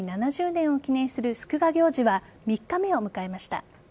７０年を記念する祝賀行事は３日目を迎えました。